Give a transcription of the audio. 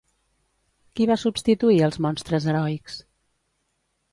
Qui va substituir els monstres heroics?